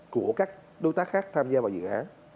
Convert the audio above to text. của các đối tác khác tham gia vào dự án